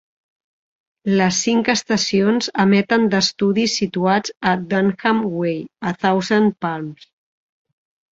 Les cinc estacions emeten d'estudis situats a Dunham Way, a Thousand Palms.